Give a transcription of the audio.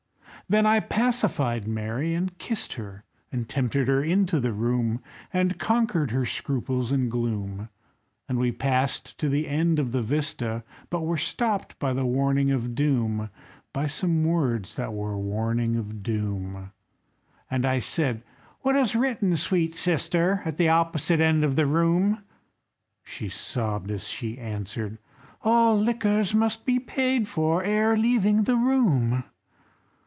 Then I pacified Mary and kissed her, And tempted her into the room, And conquered her scruples and gloom; And we passed to the end of the vista, But were stopped by the warning of doom, By some words that were warning of doom. And I said, "What is written, sweet sister, At the opposite end of the room?" She sobbed, as she answered, "All liquors Must be paid for ere leaving the room."